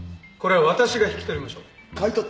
これは私が引き取りましょう。